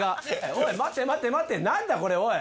おい待て待て待てなんだこれおい！